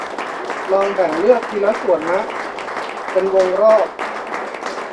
ลองแบ่งเลือกทีละส่วนมะ เป็นวงรอบ